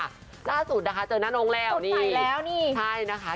หน้าสุดนะคะเจอน่านงแล้วนี่สุดใหม่แล้วนี่ใช่นะคะ